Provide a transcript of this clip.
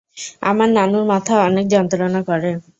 আমার নানুর মাথা অনেক যন্ত্রণা করে।